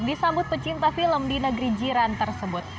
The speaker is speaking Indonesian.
disambut pecinta film di negeri jiran tersebut